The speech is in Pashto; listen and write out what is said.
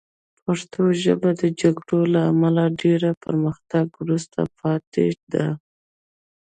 پښتو ژبه د جګړو له امله له پرمختګ وروسته پاتې ده